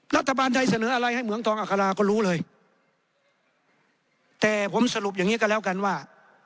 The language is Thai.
รัฐบาลไทยเสนออะไรให้เหมืองทองอัคราก็รู้เลยแต่ผมสรุปอย่างนี้ก็แล้วกันว่า